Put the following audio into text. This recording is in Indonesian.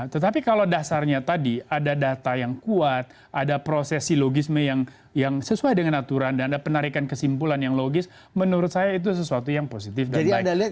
tetapi kalau dasarnya tadi ada data yang kuat ada prosesi logisme yang sesuai dengan aturan dan ada penarikan kesimpulan yang logis menurut saya itu sesuatu yang positif dan baik